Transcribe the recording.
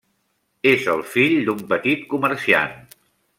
És el fill d'un petit comerciant.